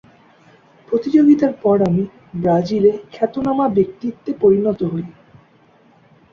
প্রতিযোগিতার পর আমি ব্রাজিলে খ্যাতনামা ব্যক্তিত্বে পরিণত হই।